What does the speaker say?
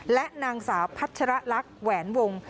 และนางสาวพัชรลักษณ์แหวนวง